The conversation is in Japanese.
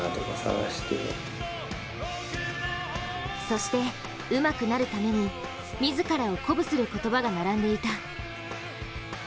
そして、うまくなるために自らを鼓舞する言葉が並んでいた。